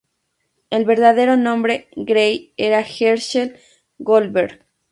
El verdadero nombre Grey era Herschel Goldberg.